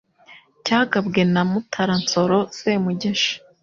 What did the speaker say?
cyagabwe na Mutara Nsoro Semugeshi